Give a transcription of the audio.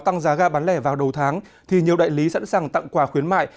tăng giá ga bán lẻ vào đầu tháng thì nhiều đại lý sẵn sàng tặng quà khuyến mại